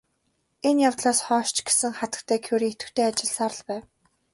Энэ явдлаас хойш ч гэсэн хатагтай Кюре идэвхтэй ажилласаар л байв.